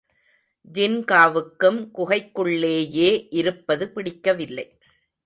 ஜின்காவுக்கும் குகைக்குள்ளேயே இருப்பது பிடிக்கவில்லை.